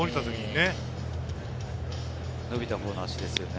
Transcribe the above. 伸びたほうの足ですよね。